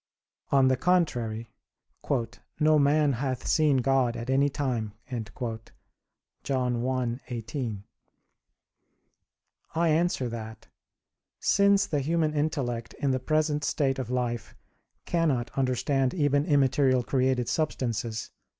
On the contrary, "No man hath seen God at any time" (John 1:18). I answer that, Since the human intellect in the present state of life cannot understand even immaterial created substances (A.